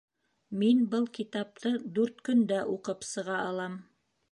Мин был китапты дүрт көндә уҡып сыға алам.